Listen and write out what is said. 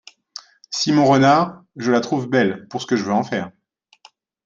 Simon Renard Je la trouve belle pour ce que j’en veux faire.